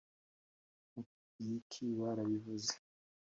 Mu kigeriki barabivuze